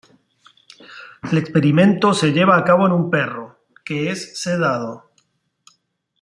El experimento se lleva a cabo en un perro, que es sedado.